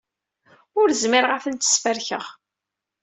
Ur zmireɣ ad tent-sferkeɣ.